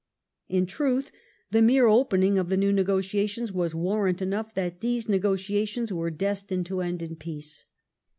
In truth, the mere opening of the new negotiations was warrant enough that these negotiations were destined to end in peace.